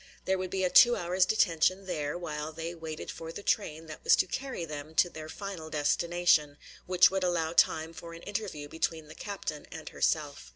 There would be a two hours' detention there while they waited for the train that was to carry them to their final destination, which would allow time for an interview between the captain and herself.